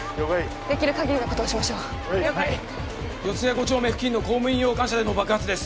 できるかぎりのことをしましょう了解・四谷５丁目付近の公務員用官舎での爆発です